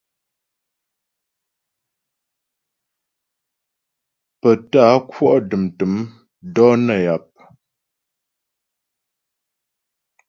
Pə tá'a kwɔ' dəm tə̂m dɔ̌ nə́ yap.